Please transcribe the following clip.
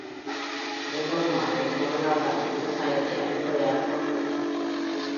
ஃபுருடோனோவின் பொருளாதாரம் விவசாயத்தை அடிப்படையாகக் கொண்டிருந்தது.